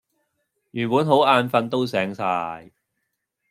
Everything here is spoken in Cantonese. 原本好眼瞓都醒晒